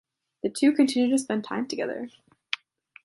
The two continue to spend time together.